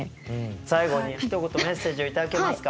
最後にひと言メッセージを頂けますか。